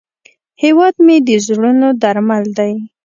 هیواد مې د زړونو درمل دی